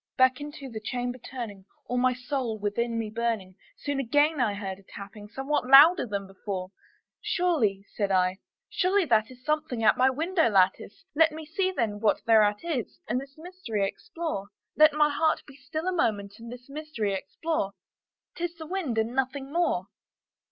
Back into the chamber turning, all my soul within me burning, Soon again I heard a tapping somewhat louder than before. "Surely," said I, "surely that is something at my window lattice; Let me see, then, what thereat is, and this mystery explore, Let my heart be still a moment and this mystery explore; 'Tis the wind, and nothing more."